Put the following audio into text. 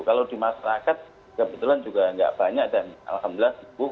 kalau di masyarakat kebetulan juga nggak banyak dan alhamdulillah sibuk